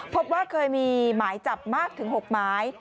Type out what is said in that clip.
พบว่าเคยมีหมายจับมากถึง๖หมาย